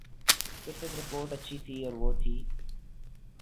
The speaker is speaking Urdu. صرف ایک رپورٹ اچھی تھی اور وہ تھی۔